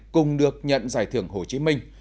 cùng được nhận giải thưởng hồ chí minh